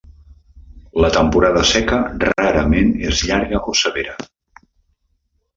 La temporada seca rarament és llarga o severa.